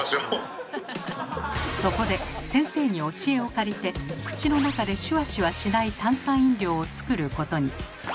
そこで先生にお知恵を借りて口の中でシュワシュワしない炭酸飲料をつくることに。